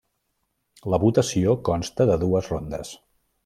La votació consta de dues rondes.